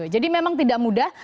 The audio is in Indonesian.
jadi memang tidak mudah